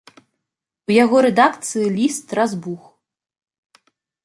У яго рэдакцыі ліст разбух.